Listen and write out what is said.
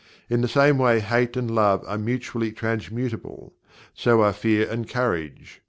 In the same way Hate and Love are mutually transmutable; so are Fear and Courage.